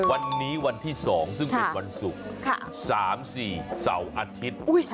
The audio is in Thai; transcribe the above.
วันนี้วันที่๒ซึ่งเป็นวันศุกร์๓๔เสาร์อาทิตย์